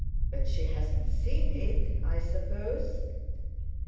But she hasn't seen it, I suppose?"